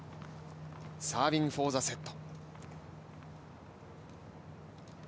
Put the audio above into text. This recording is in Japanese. サービングフォーザセット。